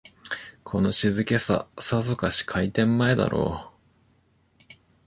この静けさ、さぞかし開店前だろう